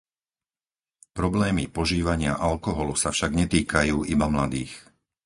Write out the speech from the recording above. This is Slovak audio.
Problémy požívania alkoholu sa však netýkajú iba mladých.